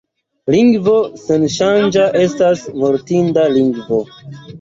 Lingvo senŝanĝa estas mortinta lingvo.